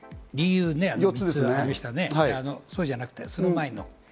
理由ね、これじゃなくて、その前の。